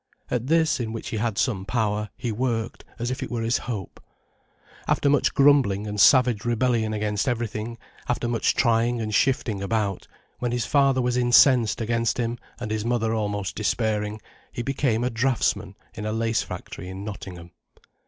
At this, in which he had some power, he worked, as if it were his hope. After much grumbling and savage rebellion against everything, after much trying and shifting about, when his father was incensed against him and his mother almost despairing, he became a draughtsman in a lace factory in Nottingham.